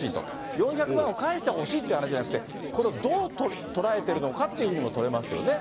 ４００万円を返してほしいって話じゃなくて、これをどう捉えているのかっていうふうにも取れますよね。